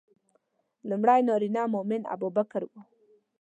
لومړی نارینه مؤمن ابوبکر و.